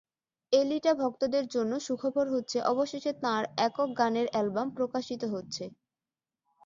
এলিটা ভক্তদের জন্য সুখবর হচ্ছে, অবশেষে তাঁর একক গানের অ্যালবাম প্রকাশিত হচ্ছে।